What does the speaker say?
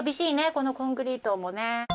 このコンクリートもね。